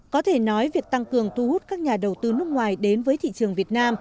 có thể nói việc tăng cường thu hút các nhà đầu tư nước ngoài đến với thị trường việt nam